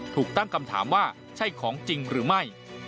ถูกตั้งคำถามว่าใช่ของจริงหรือไม่